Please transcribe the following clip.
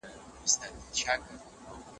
هېواد به د مسلکي کسانو په شتون کي پرمختګ وکړي.